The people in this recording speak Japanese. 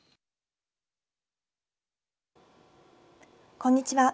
こんにちは。